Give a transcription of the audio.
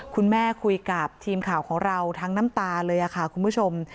คุณแม่คุยกับทีมข่าวของเราทั้งน้ำตาเลยค่ะคุณผู้ชม